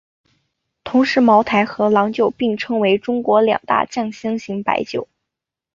同时茅台和郎酒并称为中国两大酱香型白酒。